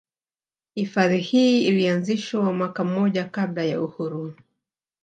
Hifadhi hii ilianzishwa mwaka mmoja kabla ya uhuru